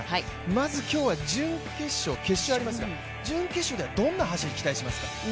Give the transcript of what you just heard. まず今日は準決勝、決勝ありますが準決勝ではどんな走り期待しますか。